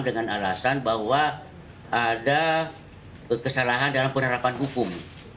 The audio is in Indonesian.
dengan alasan bahwa ada kesalahan dalam penerapan hukum